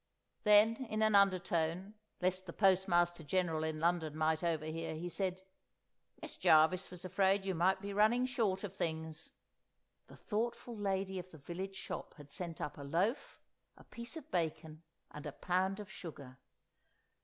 Then in an undertone, lest the Postmaster General in London might overhear, he said— "Miss Jarvis was afraid you might be running short of things." The thoughtful Lady of the Village Shop had sent up a loaf, a piece of bacon and a pound of sugar.